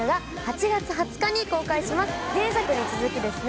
前作に続きですね